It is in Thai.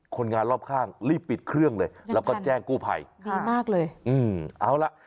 คนงานรอบข้างรีบปิดเครื่องเลยแล้วก็แจ้งกู้ภัยดีมากเลยอืมเอาล่ะ